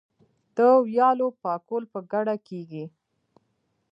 د ویالو پاکول په ګډه کیږي.